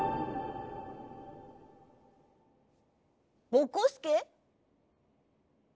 ぼこすけ？